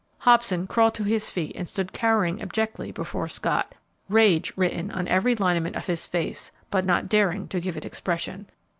Hobson crawled to his feet and stood cowering abjectly before Scott, rage written on every lineament of his face, but not daring to give it expression.